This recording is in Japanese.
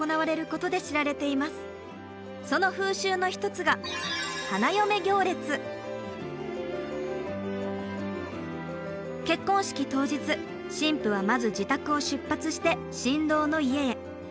その風習の一つが結婚式当日新婦はまず自宅を出発して新郎の家へ。